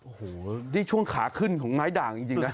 โอ้โหนี่ช่วงขาขึ้นของไม้ด่างจริงนะ